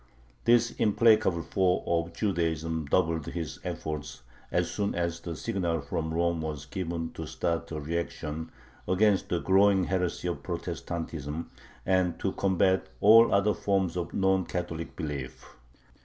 This implacable foe of Judaism doubled his efforts as soon as the signal from Rome was given to start a reaction against the growing heresy of Protestantism and to combat all other forms of non Catholic belief.